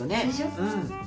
うん。